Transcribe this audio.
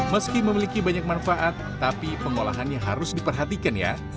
meski memiliki banyak manfaat tapi pengolahannya harus diperhatikan ya